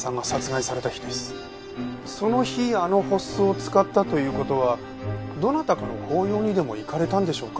その日あの払子を使ったという事はどなたかの法要にでも行かれたんでしょうか？